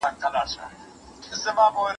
لاسونه پورته کول د ځینې شیانو څخه ځان ساتل دي.